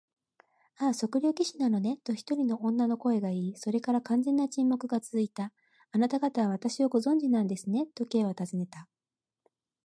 「ああ、測量技師なのね」と、一人の女の声がいい、それから完全な沈黙がつづいた。「あなたがたは私をご存じなんですね？」と、Ｋ はたずねた。